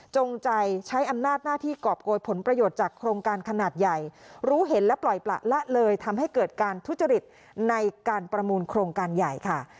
จงใจใช้อำนาจหน้าที่กรอบโกยผลประโยชน์จากโครงการขนาดใหญ่รู้เห็นและปล่อยประละเลยทำให้เกิดการทุจริตในการประมูลโครงการใหญ่ค่ะ